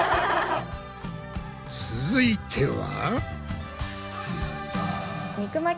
続いては？